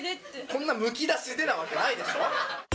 こんなむき出しでなわけないでしょ！